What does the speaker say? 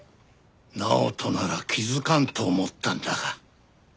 直人なら気づかんと思ったんだが。